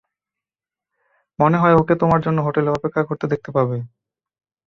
মনে হয় ওকে তোমার জন্য হোটেলে অপেক্ষা করতে দেখতে পাবে।